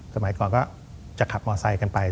สมัยก่อนก็จะขับมอไซค์กันไป